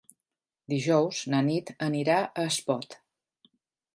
Dijous na Nit anirà a Espot.